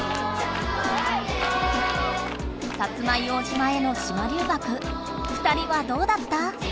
薩摩硫黄島への島留学２人はどうだった？